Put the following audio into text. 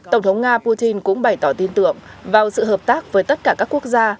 tổng thống nga putin cũng bày tỏ tin tưởng vào sự hợp tác với tất cả các quốc gia